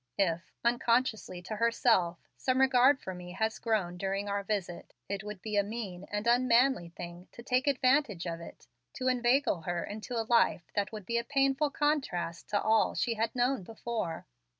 If, unconsciously to herself, some regard for me has grown during our visit, it would be a mean and unmanly thing to take advantage of it to inveigle her into a life that would be a painful contrast to all that she had known before.